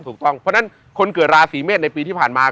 เพราะฉะนั้นคนเกิดราศีเมฆในปีที่ผ่านมา